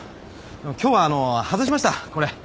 今日は外しましたこれ。